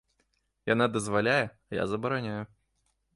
Яна дазваляе, а я забараняю.